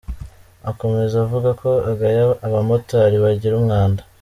Akomeza avuga ko agaya abamotari bagira umwanda.